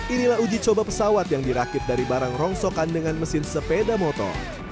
inilah uji coba pesawat yang dirakit dari barang rongsokan dengan mesin sepeda motor